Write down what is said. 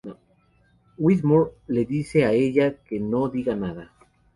Widmore le dice a ella que no diga nada.